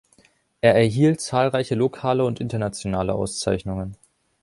Er erhielt zahlreiche lokale und internationale Auszeichnungen.